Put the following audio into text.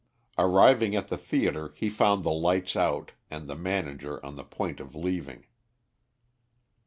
Arriving at the theatre, he found the lights out, and the manager on the point of leaving.